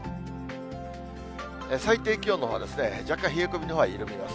最低気温のほうは若干、冷え込みのほうは緩みます。